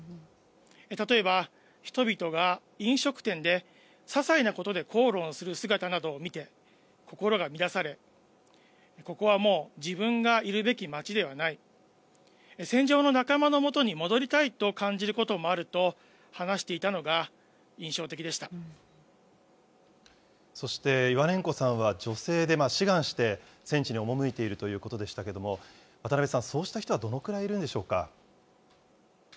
例えば、人々が飲食店でささいなことで口論する姿などを見て、心が乱され、ここはもう、自分がいるべき街ではない、戦場の仲間のもとに戻りたいと感じることもあると話していたのがそして、イワネンコさんは女性で志願して戦地に赴いているということでしたけれども、渡辺さん、そうした人はどのくらいいるんでしょうか。